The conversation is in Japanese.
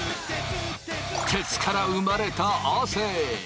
鉄から生まれた亜生。